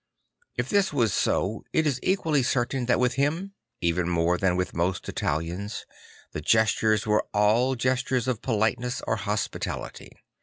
If this was so it is equally certain that with him, even more than with most Italians, the gestures were all gestures of politeness or hospitality.